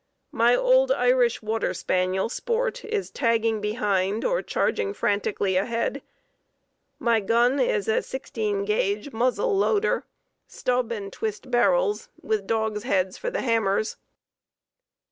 My old Irish water spaniel 'Sport' is tagging behind or charging frantically ahead; my gun is a sixteen gauge muzzle loader, stub and twist barrels, with dogs' heads for the hammers.